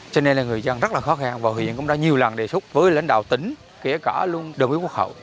cho nên là người dân rất là khó khăn và huyện cũng đã nhiều lần đề xuất với lãnh đạo tỉnh kể cả luôn đồng ý quốc hậu